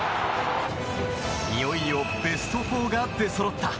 いよいよベスト４が出そろった。